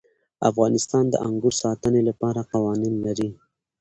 افغانستان د انګور د ساتنې لپاره قوانین لري.